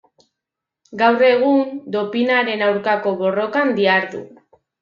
Gaur egun, dopinaren aurkako borrokan dihardu.